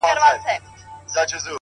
ځمه و لو صحراته”